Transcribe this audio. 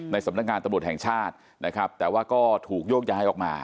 สำนักงานตำรวจแห่งชาตินะครับแต่ว่าก็ถูกโยกย้ายออกมา